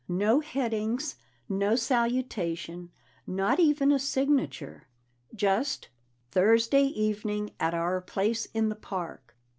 No heading, no salutation, not even a signature. Just, "Thursday evening at our place in the park."